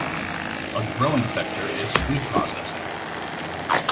A growing sector is food processing.